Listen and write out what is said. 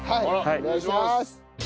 お願いします！